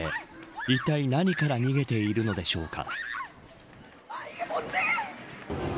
いったい何から逃げているのでしょうか。